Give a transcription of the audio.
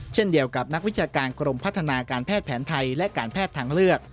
เช่นเดียวกับนักวิชาการกรมพัฒนาการแพทย์แผนไทยและการแพทย์ทางเลือก